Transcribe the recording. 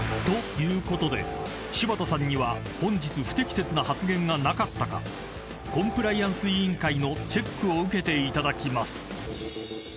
［ということで柴田さんには本日不適切な発言がなかったかコンプライアンス委員会のチェックを受けていただきます］